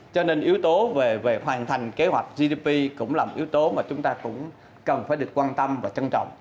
cho nên yếu tố về hoàn thành kế hoạch gdp cũng là một yếu tố mà chúng ta cũng cần phải được quan tâm và trân trọng